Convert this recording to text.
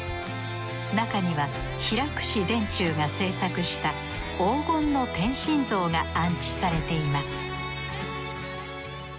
中には平櫛田中が制作した黄金の天心像が安置されています